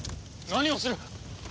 何をする！？